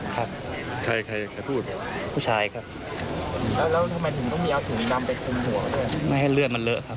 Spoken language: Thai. ก็พูดแล้วผมก็ชั่วบูบไปเลยครับ